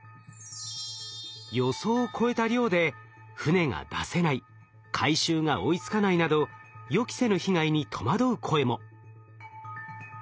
予想を超えた量で船が出せない回収が追いつかないなど予期せぬ被害に戸惑う声も。